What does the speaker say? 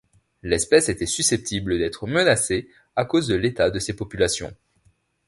L'espèce était susceptible d'être menacée à cause de l'état de ses populations.